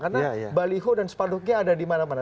karena baliho dan sepanduknya ada di mana mana